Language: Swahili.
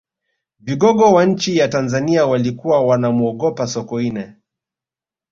vigogo wa nchi ya tanzania walikuwa wanamuogopa sokoine